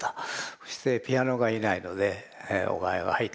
そしてピアノがいないのでお前が入っていいよと。